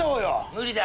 無理だ。